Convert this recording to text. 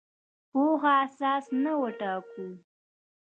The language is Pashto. پوهه اساس نه وټاکو.